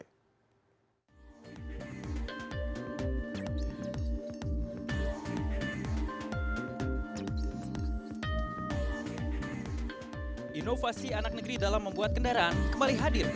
inovasi anak negeri dalam membuat kendaraan kembali hadir